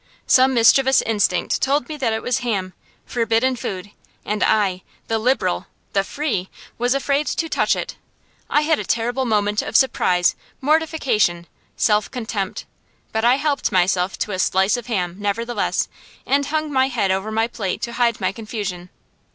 Some mischievous instinct told me that it was ham forbidden food; and I, the liberal, the free, was afraid to touch it! I had a terrible moment of surprise, mortification, self contempt; but I helped myself to a slice of ham, nevertheless, and hung my head over my plate to hide my confusion.